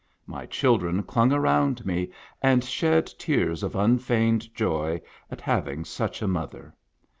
My children clung around me and shed tears of unfeigned joy at having such a mother.